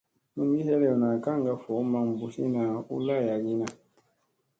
Mingi helewna kaŋga voo maŋ mbutliina u layagiina.